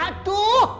ada apa sih